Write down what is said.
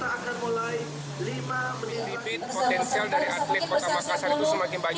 lebih lebih potensial dari atlet kota makassar itu semakin banyak